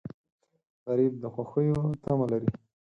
غریب د خوښیو تمه لري